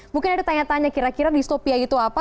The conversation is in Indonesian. mungkin ada tanya tanya kira kira distopia itu apa